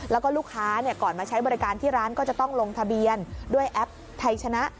แล้วก็ลูกค้าก่อนมาใช้บริการที่ร้านก็จะต้องลงทะเบียนด้วยแอปไทยชนะ